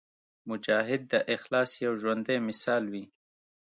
مجاهد د اخلاص یو ژوندی مثال وي.